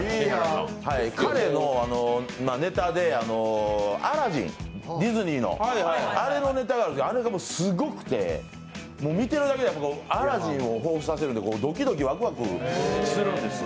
彼のネタで、「アラジン」、ディズニーのあれのネタがあるんですけどあれがすごくて、見ていると「アラジン」をほうふつさせるので、ドキドキワクワクするんです。